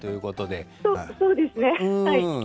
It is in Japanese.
そうですね。